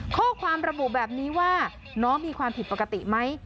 ข้อความระบุแบบนี้ว่าน้องมีความผิดปกติไหม